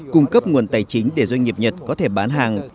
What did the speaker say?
cung cấp nguồn tài chính để doanh nghiệp nhật có thể bán hàng